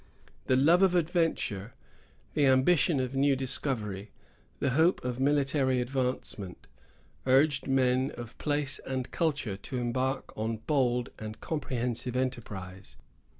The love of adventure, the ambition of new discovery, the hope of military advancement, urged men of place and culture to embark on bold and comprehensive enterprise.